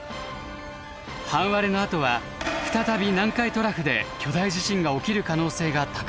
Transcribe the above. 半割れのあとは再び南海トラフで巨大地震が起きる可能性が高まるのです。